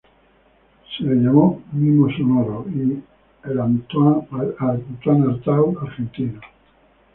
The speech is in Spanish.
Se lo llamó "mimo sonoro" y "el Antonin Artaud argentino".